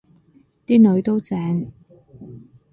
啲囡都正